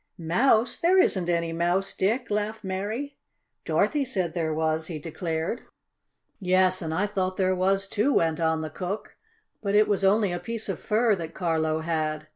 "Mouse? There isn't any mouse, Dick!" laughed Mary. "Dorothy said there was," he declared. "Yes, and I thought there was, too," went on the cook. "But it was only a piece of fur that Carlo had.